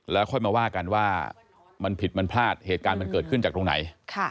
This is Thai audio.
แล้วค่อยมาว่ากันว่ามันผิดมันพลาดเหตุการณ์มันเกิดขึ้นจากตรงไหน